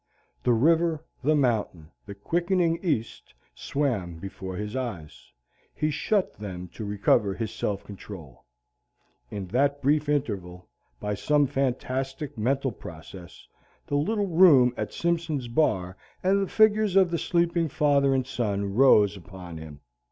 The river, the mountain, the quickening east, swam before his eyes. He shut them to recover his self control. In that brief interval, by some fantastic mental process, the little room at Simpson's Bar and the figures of the sleeping father and son rose upon him.